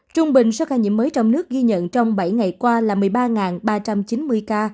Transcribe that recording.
trung bình số ca nhiễm mới trong nước ghi nhận trong bảy ngày qua là một mươi ba ba trăm chín mươi ca